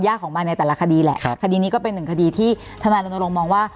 ของมันในแต่ละคดีแหละครับคดีนี้ก็เป็นหนึ่งคดีที่ธนายรณรงค์มองว่า